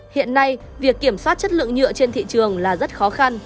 hiện nay việc kiểm soát chất lượng nhựa trên thị trường là rất khó khăn